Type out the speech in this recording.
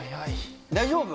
大丈夫？